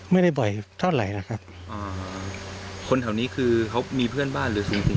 ไม่ได้บ่อยเท่าไหร่นะครับอ่าคนแถวนี้คือเขามีเพื่อนบ้านหรือสูงถึง